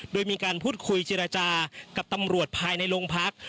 โดยมีการพูดคุยเจรจากับตำรวจภายในโรงพัก